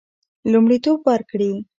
لومړیتوب ورکړي.